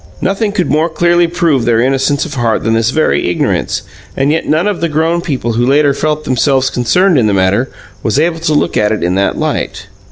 Nothing could more clearly prove their innocence of heart than this very ignorance, and yet none of the grown people who later felt themselves concerned in the matter was able to look at it in that light.